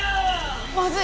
まずい！